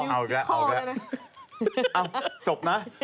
เอ้านะนะ